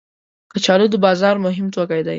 کچالو د بازار مهم توکي دي